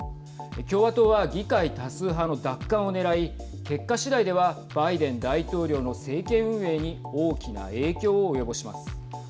共和党は議会多数派の奪還をねらい結果次第ではバイデン大統領の政権運営に大きな影響を及ぼします。